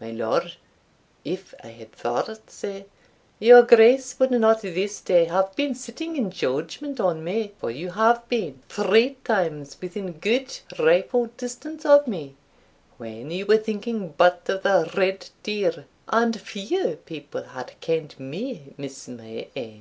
My Lord, if I had thought sae, your Grace would not this day have been sitting in judgment on me; for you have been three times within good rifle distance of me when you were thinking but of the red deer, and few people have ken'd me miss my aim.